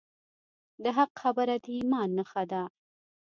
د حق خبره د ایمان نښه ده.